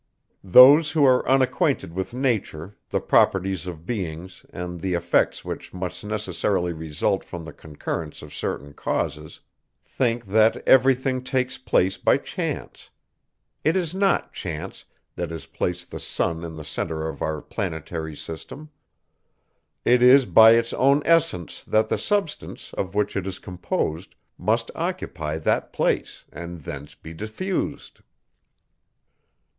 Those, who are unacquainted with nature, the properties of beings, and the effects which must necessarily result from the concurrence of certain causes, think, that every thing takes place by chance. It is not chance, that has placed the sun in the centre of our planetary system; it is by its own essence, that the substance, of which it is composed, must occupy that place, and thence be diffused.